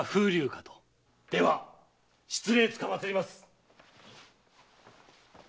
では失礼つかまつります。